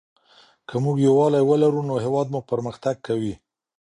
که موږ یووالي ولرو نو هېواد مو پرمختګ کوي.